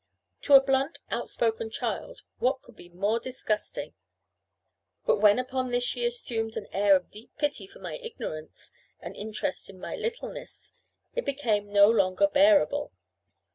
To a blunt, outspoken child, what could be more disgusting? But when upon this was assumed an air of deep pity for my ignorance, and interest in my littleness, it became no longer bearable.